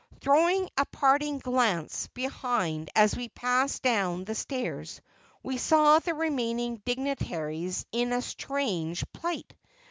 Throwing a parting glance behind as we passed down the stairs we saw the remaining dignitaries in a strange plight.